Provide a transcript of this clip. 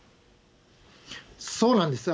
そうなんです。